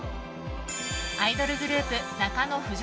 アイドルグループ中野腐女